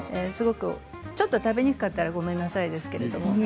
ちょっと食べにくかったらごめんなさいですけれど。